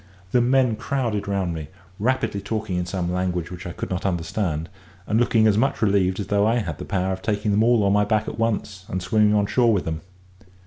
The men crowded round me, rapidly talking in some language which I could not understand, and looking as much relieved as though I had the power of taking them all on my back at once, and swimming on shore with them.